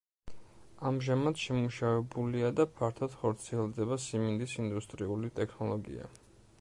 ამჟამად შემუშავებულია და ფართოდ ხორციელდება სიმინდის ინდუსტრიული ტექნოლოგია.